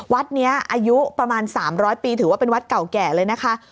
วัดนี้อายุประมาณ๓๐๐ปีถือว่าเป็นวัดเก่าแก่เลยนะคะ